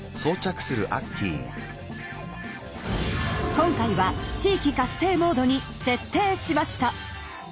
今回は地域活性モードに設定しました。